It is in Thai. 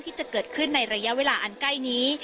ที่จะเกิดขึ้นในระยะเวลาอันใกล้นี้